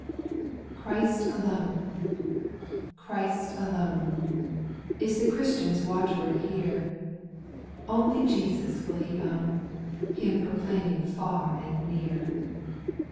pHRTST alone— Christ alone— \j Is the Christian's watchword here ; Only Jesus will he own, Him proclaiming far and near.